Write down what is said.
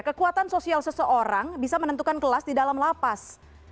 kekuatan sosial seseorang bisa menentukan kelas di dalam lapas